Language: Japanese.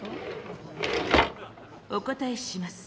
お答えします。